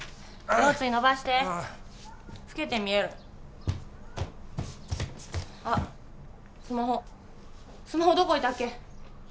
腰椎伸ばして老けて見えるあっスマホスマホどこ置いたっけ？